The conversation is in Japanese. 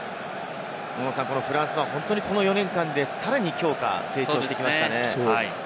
フランスは本当にこの４年間でさらに強化・成長してきましたね。